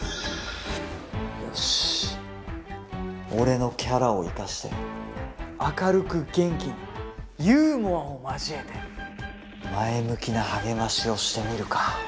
よし俺のキャラを生かして明るく元気にユーモアを交えて前向きな励ましをしてみるか。